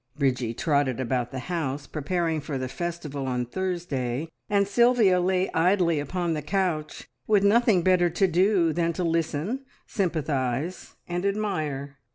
Bridgie trotted about the house preparing for the festival on Thursday, and Sylvia lay idly upon the couch, with nothing better to do than to listen, sympathise, and admire.